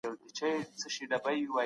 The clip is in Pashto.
په علم کې بايد هره تجربه تکرار سي.